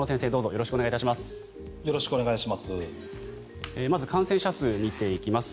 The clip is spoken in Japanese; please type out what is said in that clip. よろしくお願いします。